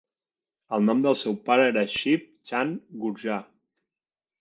El nom del seu pare era Shiv Chand Gurjar.